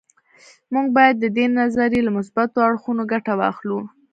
موږ باید د دې نظریې له مثبتو اړخونو ګټه واخلو